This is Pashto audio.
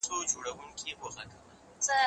هغه وويل چي کتابتوني کار مهم دي،